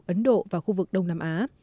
ấn độ và khu vực đông nam á